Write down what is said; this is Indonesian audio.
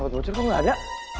dapat bocor kok ga ada